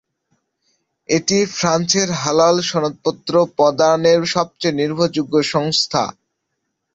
এটি ফ্রান্সের হালাল সনদপত্র প্রদানের সবচেয়ে নির্ভরযোগ্য সংস্থা।